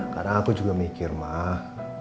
karena aku juga mikir mah